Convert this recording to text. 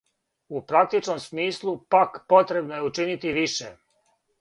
У практичном смислу, пак, потребно је учинити више.